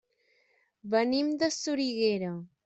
Venim de Soriguera.